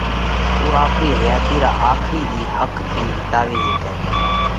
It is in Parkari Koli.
اُو آپرِي حياتِي را آکرِي ۮِي ۿک ٿِي وِيتاوي هيڪئہ۔